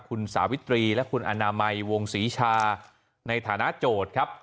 คุณสาวิตรีและคุณอนามัยวงศรีชาในฐานะโจทย์ครับ